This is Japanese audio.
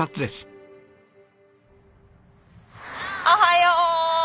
おはよう！